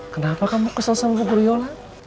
kenapa kamu kesel sama bu yola